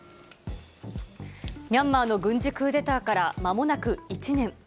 ミャンマーの軍事クーデターからまもなく１年。